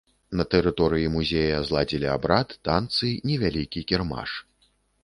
На тэрыторыі музея зладзілі абрад, танцы, невялікі кірмаш.